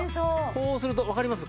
こうするとわかります？